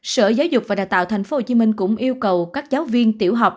sở giáo dục và đào tạo tp hcm cũng yêu cầu các giáo viên tiểu học